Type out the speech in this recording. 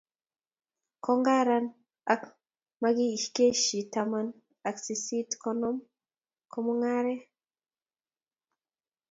Kongaran ak makikeshi taman ak sisit eng konam ko mangaranee.